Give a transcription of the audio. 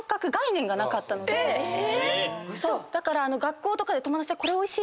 え⁉だから学校とかで友達が。